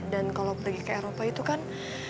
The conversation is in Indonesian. dan kalau pergi ke eropa itu kan